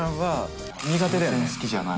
全然好きじゃない。